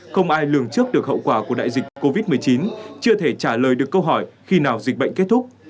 không ai lường trước được hậu quả của đại dịch covid một mươi chín chưa thể trả lời được câu hỏi khi nào dịch bệnh kết thúc